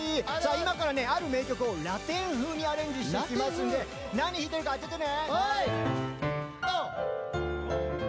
今からある名曲をラテン風にアレンジしますので何を弾いてるか当ててね！